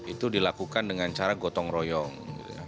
itu dilakukan dengan cara gotong royong